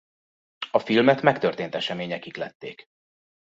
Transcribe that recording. A filmet megtörtént események ihlették.